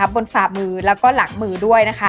ฝ่ามือแล้วก็หลังมือด้วย